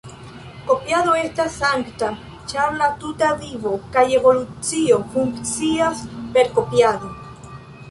Kopiado estas sankta ĉar la tuta vivo kaj evolucio funkcias per kopiado.